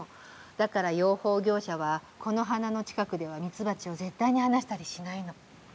だから養蜂業者はこの花の近くではミツバチを絶対に放したりしないの。